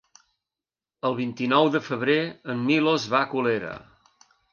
El vint-i-nou de febrer en Milos va a Colera.